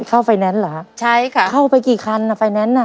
ไฟแนนซ์เหรอฮะใช่ค่ะเข้าไปกี่คันอ่ะไฟแนนซ์อ่ะ